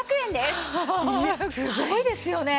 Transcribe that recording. すごいですよね。